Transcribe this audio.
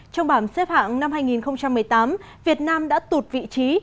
trong bảng xếp hạng năm hai nghìn một mươi tám việt nam đã tụt vị trí